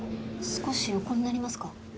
少し横になりますか？